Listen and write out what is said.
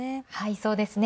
そうですね。